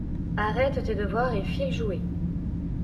Arrête tes devoirs et file jouer!